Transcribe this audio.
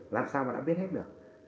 làm sao mà nó biết hết được